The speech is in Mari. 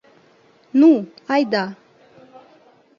Ну, айда!